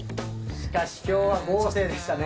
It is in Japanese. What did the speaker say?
しかし今日は豪勢でしたね。